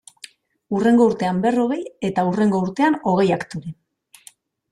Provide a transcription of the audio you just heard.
Hurrengo urtean berrogei, eta hurrengo urtean hogei aktore.